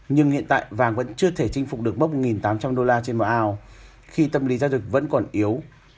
nhưng hiện tại vàng vẫn chưa thể chinh phục được bốc một tám trăm linh đô la trên mọi ao khi tâm lý gia dịch vẫn còn yếu